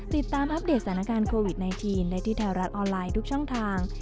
ติดตามอัปเดตสถานการณ์โควิด๑๙ได้ที่แถวร้านออนไลน์ทุกช่องทาง